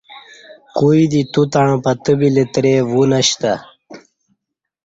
کوی دے توتݩع پتہ بی لترے کہ وونشتہ